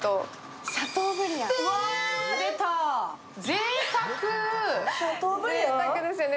ぜいたくですよね。